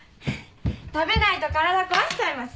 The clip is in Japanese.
食べないと体壊しちゃいますよ。